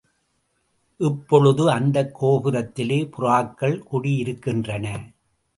இப்பொழுது அந்தக் கோபுரத்திலே புறாக்கள் குடியிருக்கின்றன.